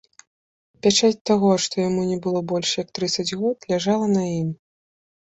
Пячаць таго, што яму не было больш як трыццаць год, ляжала на ім.